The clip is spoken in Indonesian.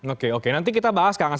oke oke nanti kita bahas kang ase